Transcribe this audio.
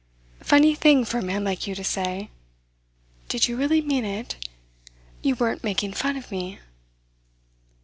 Funny thing for a man like you to say. Did you really mean it? You weren't making fun of me?"